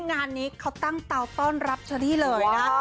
งานนี้เขาตั้งเตาต้อนรับเชอรี่เลยนะ